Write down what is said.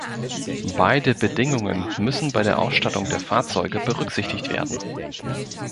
Beide Bedingungen müssen bei der Ausstattung der Fahrzeuge berücksichtigt werden.